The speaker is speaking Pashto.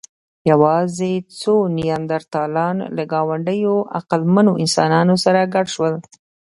یواځې څو نیاندرتالان له ګاونډيو عقلمنو انسانانو سره ګډ شول.